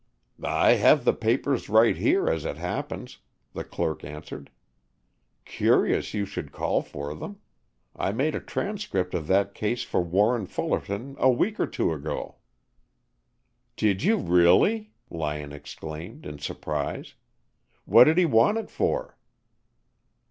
"I have the papers right here, as it happens," the clerk answered. "Curious you should call for them. I made a transcript of that case for Warren Fullerton a week or two ago." "Did you, really?" Lyon exclaimed in surprise. "What did he want it for?"